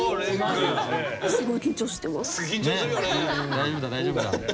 大丈夫だ大丈夫だ。